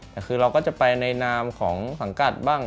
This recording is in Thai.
แต่คือเราก็จะไปในนามของสังกัดบ้าง